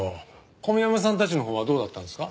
小宮山さんたちのほうはどうだったんですか？